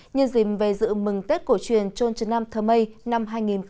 như dìm về dự mừng tết cổ truyền trôn trần nam thơ mây năm hai nghìn một mươi chín